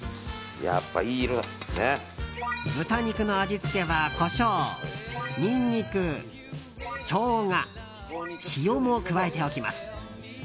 豚肉の味付けはコショウ、ニンニク、ショウガ塩も加えておきます。